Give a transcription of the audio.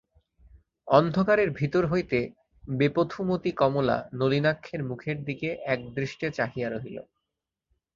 অন্ধকারের ভিতর হইতে বেপথুমতী কমলা নলিনাক্ষের মুখের দিকে একদৃষ্টে চাহিয়া রহিল।